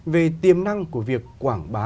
về tiềm năng của việc quảng bá